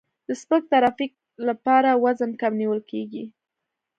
د سپک ترافیک لپاره وزن کم نیول کیږي